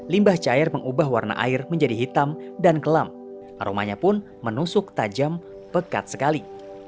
limbah cair mengubah warna air menjadi hitam dan kelam aromanya pun menusuk tajam pekat sekali